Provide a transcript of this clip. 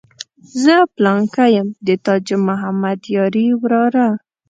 زه پلانکی یم د تاج محمد یاري وراره.